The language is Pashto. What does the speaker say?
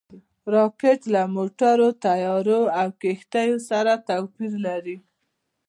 راکټ له موټرو، طیارو او کښتیو سره توپیر لري